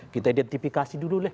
kita identifikasi dulu deh